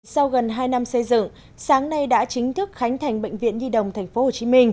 sau gần hai năm xây dựng sáng nay đã chính thức khánh thành bệnh viện nhi đồng tp hcm